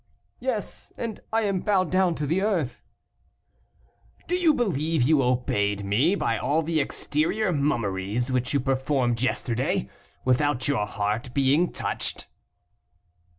"Yes, and I am bowed down to the earth." "Do you believe you obeyed me by all the exterior mummeries which you performed yesterday, without your heart being touched?"